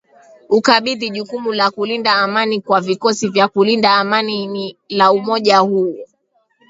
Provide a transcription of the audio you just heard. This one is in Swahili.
ukabidhi jukumu la kulinda amani kwa vikosi vya kulinda amani ni la umoja huo